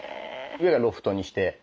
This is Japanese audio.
上がロフトにして。